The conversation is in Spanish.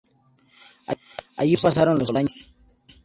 Allí pasarán los años solos.